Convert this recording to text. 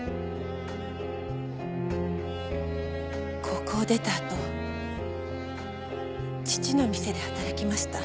高校を出たあと父の店で働きました。